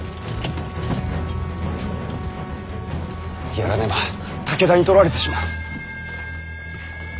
やらねば武田に取られてしまう。